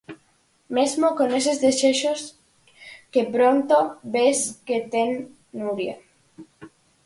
Mesmo con eses desexos que pronto ves que ten Nuria.